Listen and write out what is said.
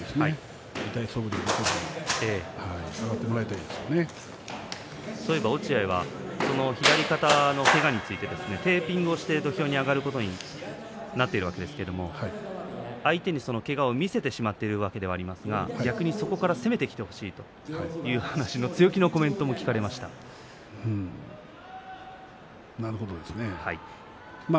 土俵に上がるかぎりはしっかり頑張ってもらいたいと落合は左肩のけがについてテーピングをして土俵に上がることになっているわけですが相手にけがを見せてしまっているわけですけれども逆にそこを攻めてきてほしいとそういった強気のコメントも聞かなるほどですね。